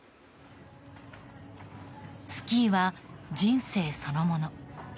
スキーは人生そのもの。